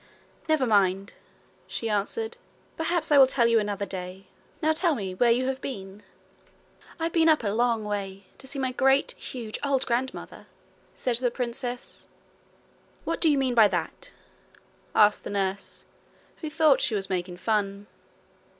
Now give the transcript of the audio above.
'Never mind,' she answered. 'Perhaps I will tell you another day. Now tell me where you have been.' 'I've been up a long way to see my very great, huge, old grandmother,' said the princess. 'What do you mean by that?' asked the nurse, who thought she was making fun.